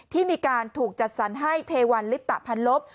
ที่มีการถูกจัดสรรให้เทวันลิปตะพันลบ